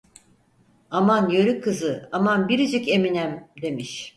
"Aman yörük kızı, aman biricik Eminem!" demiş.